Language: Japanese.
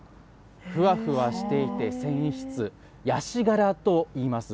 ふわふわしていて、繊維質、ヤシガラといいます。